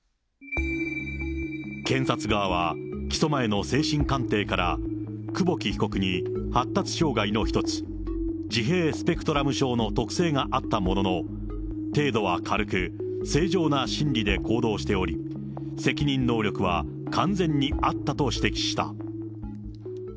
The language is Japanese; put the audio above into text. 検察側は起訴前の精神鑑定から、久保木被告に発達障害の一つ、自閉スペクトラム症の特性があったものの、程度は軽く、正常な心理で行動しており、責任能力は完全にあったと指摘した。